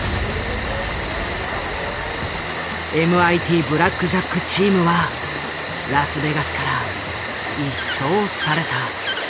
ＭＩＴブラックジャック・チームはラスベガスから一掃された。